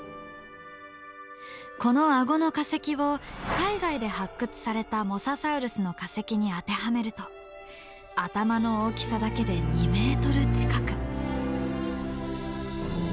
このあごの化石を海外で発掘されたモササウルスの化石に当てはめると頭の大きさだけで２ｍ近く。